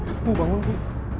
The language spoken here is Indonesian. ibu bangun ibu